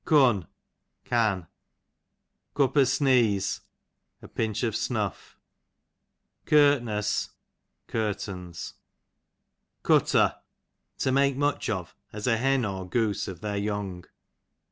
Cun, can. Cup o' sneeze, a pinch of snuff'. Curtnurs, cwtains. Cutter, to make much of, as a hen or goose of their young.